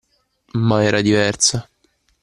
Ma era diversa